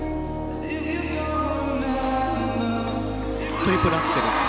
トリプルアクセル。